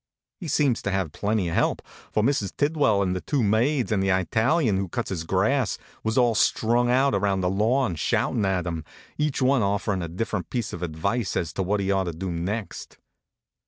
He seems to have plenty of help, for Mrs. Tidwell and two maids and the Ital ian who cuts his grass was all strung out around the lawn shoutin at him, each one offerin a different piece of advice as to what he ought to do next.